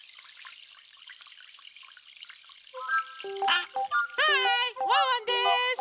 あっハイワンワンです！